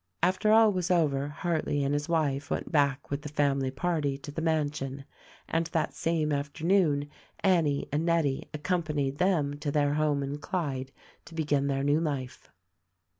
After all was over Hartleigh and his wife went back with the family party to the mansion, and that same afternoon Annie and Nettie accompanied them to their home in Clyde to begin their new life.